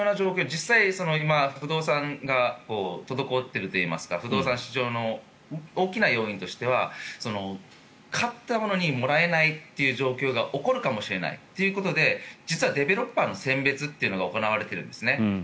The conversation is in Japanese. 実際に今、不動産が滞っているといいますが不動産不況の大きな要因としては買ったのにもらえないという状況が起こるかもしれないということで実はディベロッパーの選別というのが行われているんですね。